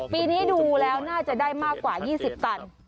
ปีนี้ดูแล้วน่าจะได้มากกว่า๒๐ตัน